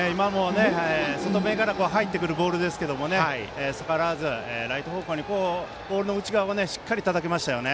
外めから入ってくるボールですけども逆らわずライト方向にボールの内側をしっかりたたきましたね。